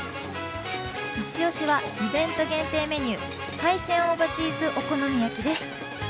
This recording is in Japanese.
イチオシはイベント限定メニュー、海鮮大葉チーズお好み焼きです。